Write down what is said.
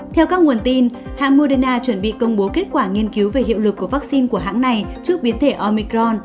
theo các nguồn tin hãng moderna chuẩn bị công bố kết quả nghiên cứu về hiệu lực của vaccine của hãng này trước biến thể omicron